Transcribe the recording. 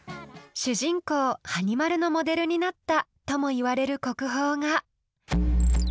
主人公・はに丸のモデルになったともいわれる国宝が。